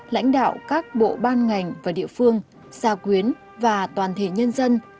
lãnh đạo các bộ ngành địa phương gia quyến và toàn thể nhân dân